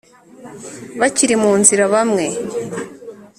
Bakiri mu nzira bamwe